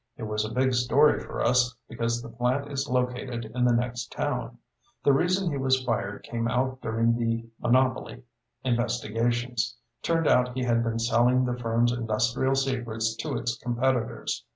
It was a big story for us, because the plant is located in the next town. The reason he was fired came out during the monopoly investigations. Turned out he had been selling the firm's industrial secrets to its competitors.